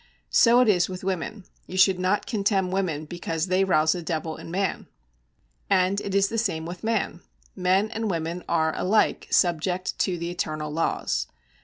So it is with women: you should not contemn women because they rouse a devil in man. And it is the same with man. Men and women are alike subject to the eternal laws.